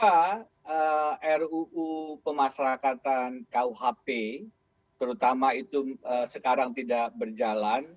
iya jadi kenapa ruu pemasrakatan kuhp terutama itu sekarang tidak berjalan